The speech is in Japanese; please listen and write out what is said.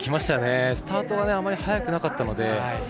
スタートはあまり早くなかったので。